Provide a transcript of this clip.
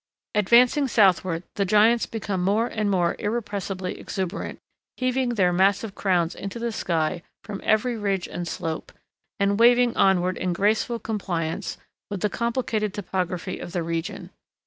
Advancing southward the giants become more and more irrepressibly exuberant, heaving their massive crowns into the sky from every ridge and slope, and waving onward in graceful compliance with the complicated topography of the region.